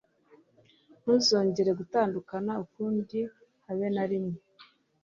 Ntituzongere gutandukana ukundi habe na rimwe.